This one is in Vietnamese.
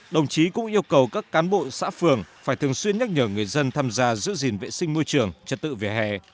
đồng chí cũng yêu cầu các cán bộ xã phường phải thường xuyên nhắc nhở người dân tham gia giữ gìn vệ sinh môi trường trật tự vỉa hè